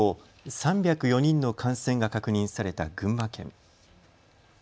きょう３０４人の感染が確認された群馬県。